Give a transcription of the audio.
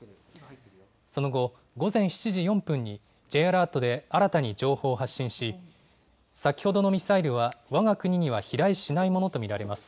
その後、午前７時４分にＪアラートで新たに情報を発信し先ほどのミサイルはわが国には飛来しないものと見られます。